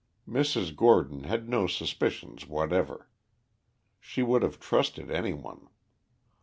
Mrs. Gordon had no suspicions whatever; she would have trusted any one.